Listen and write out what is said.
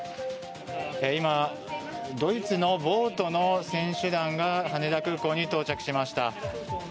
今ドイツのボートの選手団が羽田空港に到着しました。